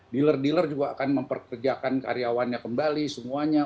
dealer dealer juga akan memperkerjakan karyawannya kembali semuanya